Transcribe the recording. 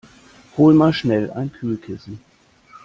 Hol mal schnell ein Kühlkissen!